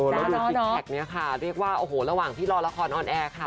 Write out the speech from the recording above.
แล้วดูซิกแพคเนี่ยค่ะเรียกว่าโอ้โหระหว่างที่รอละครออนแอร์ค่ะ